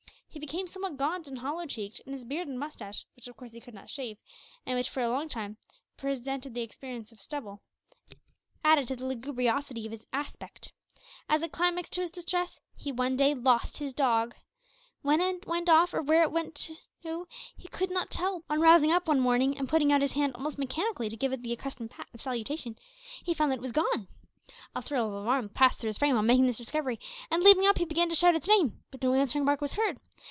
He became somewhat gaunt and hollow cheeked, and his beard and moustache, which of course he could not shave, and which, for a long time, presented the appearance of stubble, added to the lugubriosity of his aspect. As a climax to his distress, he one day lost his dog! When it went off, or where it went to, he could not tell, but, on rousing up one morning and putting out his hand almost mechanically to give it the accustomed pat of salutation, he found that it was gone. A thrill of alarm passed through his frame on making this discovery, and, leaping up, he began to shout its name. But no answering bark was heard.